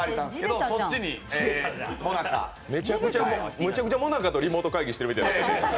むちゃくちゃもなかとリモート会議してるみたい。